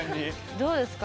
どうですか？